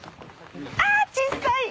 あ小っさい。